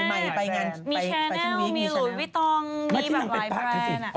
มีแชนแนลมีหลุดวิทองมีแบบไลฟ์แบรนด์